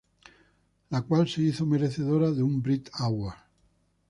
La cual la hizo merecedora de un brit Award.